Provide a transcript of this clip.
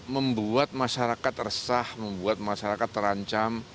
membuat masyarakat resah membuat masyarakat terancam